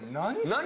何？